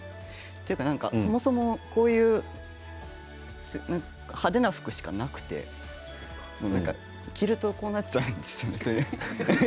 そもそもこういう派手な服しかなくて着るとこうなっちゃうんですよ。